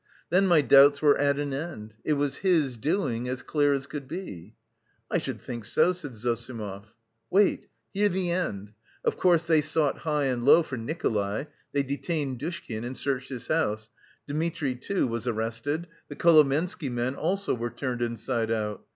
Then my doubts were at an end it was his doing, as clear as could be....'" "I should think so," said Zossimov. "Wait! Hear the end. Of course they sought high and low for Nikolay; they detained Dushkin and searched his house; Dmitri, too, was arrested; the Kolomensky men also were turned inside out.